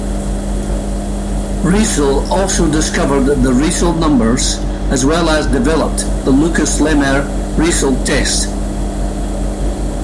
Riesel also discovered the Riesel numbers as well as developed the Lucas-Lehmer-Riesel test.